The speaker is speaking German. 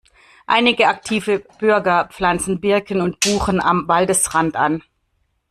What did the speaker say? Einige aktive Bürger pflanzen Birken und Buchen am Waldesrand an.